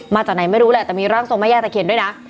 มาจากไหนไม่รู้แหละแต่มีร่างทรงแม่ย่าตะเคียนด้วยนะ